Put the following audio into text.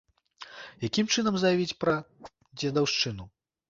Якім чынам заявіць пра дзедаўшчыну?